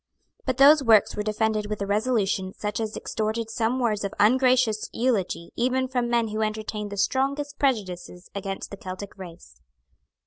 But those works were defended with a resolution such as extorted some words of ungracious eulogy even from men who entertained the strongest prejudices against the Celtic race.